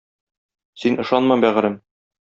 Син ышанма, бәгърем!